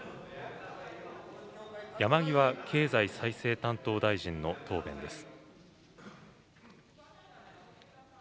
山際経済再生担当大臣の答弁です。